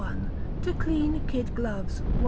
To Clean Kid Gloves (1).